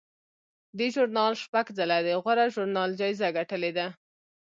دې ژورنال شپږ ځله د غوره ژورنال جایزه ګټلې ده.